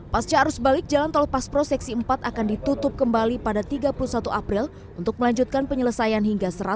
pasca arus balik jalan tol paspro seksi empat akan ditutup kembali pada tiga puluh satu april untuk melanjutkan penyelesaian hingga